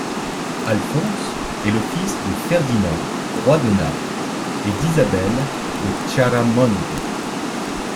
Alphonse est le fils de Ferdinand, roi de Naples, et d'Isabelle de Chiaramonte.